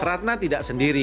ratna tidak sendiri